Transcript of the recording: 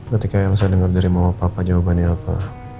ketika elsa dengar dari mama papa jawabannya apa